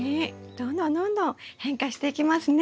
どんどんどんどん変化していきますね。